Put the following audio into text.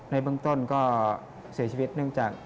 ในเบื้องต้นก็เสียชีวิตเนื่องจาก